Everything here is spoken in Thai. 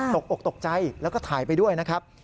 ตกอกตกใจแล้วก็ถ่ายไปด้วยนะครับ